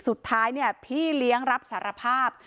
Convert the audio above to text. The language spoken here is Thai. สุดท้ายเนี่ยพี่เลี้ยงรับสารภาพ